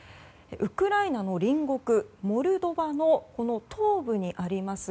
ウクライナの隣国モルドバの東部にあります